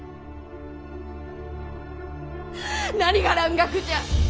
何が蘭学じゃ！